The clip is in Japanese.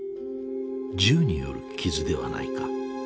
銃による傷ではないか。